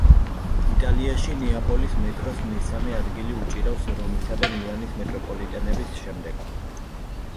იტალიაში ნეაპოლის მეტროს მესამე ადგილი უჭირავს რომისა და მილანის მეტროპოლიტენების შემდეგ.